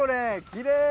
きれい！